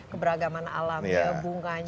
keberagaman alamnya bunganya tamanya